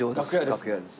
楽屋です。